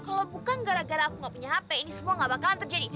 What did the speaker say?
kalau bukan gara gara aku nggak punya hp ini semua gak bakalan terjadi